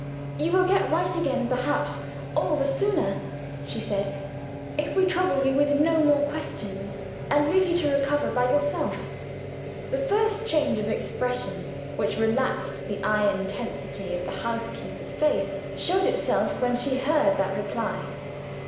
"You will get right again perhaps all the sooner," she said, "if we trouble you with no more questions, and leave you to recover by yourself." The first change of expression which relaxed the iron tensity of the housekeeper's face showed itself when she heard that reply.